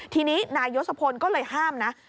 ทีนี้นายยศพลก็เลยห้ามนะ